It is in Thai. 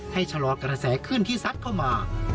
ชะลอกระแสขึ้นที่ซัดเข้ามา